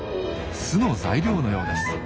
巣の材料のようです。